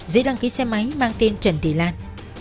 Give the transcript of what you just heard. giấy đăng ký xe máy mang tên trần thị lan